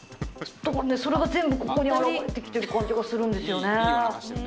だからねそれが全部ここに現れてきてる感じがするんですよね。